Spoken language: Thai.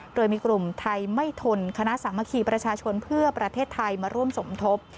โดยมีกลุ่มไทยไม่ทนคณะสามัคคีประชาชนเพื่อประเทศไทยมาร่วมสมทบ